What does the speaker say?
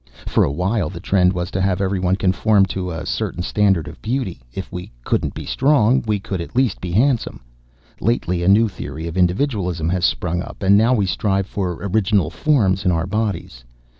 For a while the trend was to have everyone conform to a certain standard of beauty; if we couldn't be strong, we could at least be handsome. Lately a new theory of individualism has sprung up, and now we strive for original forms in our bodies.